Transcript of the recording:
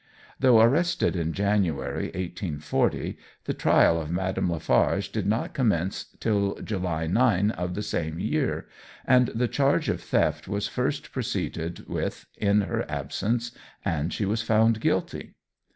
Though arrested in January, 1840, the trial of Madame Lafarge did not commence till July 9 of the same year, and the charge of theft was first proceeded with in her absence, and she was found guilty.